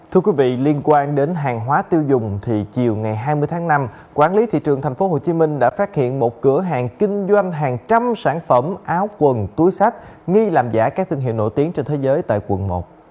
thưa quý vị liên quan đến hàng hóa tiêu dùng thì chiều ngày hai mươi tháng năm quản lý thị trường tp hcm đã phát hiện một cửa hàng kinh doanh hàng trăm sản phẩm áo quần túi sách nghi làm giả các thương hiệu nổi tiếng trên thế giới tại quận một